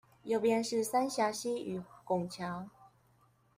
右邊是三峽溪與拱橋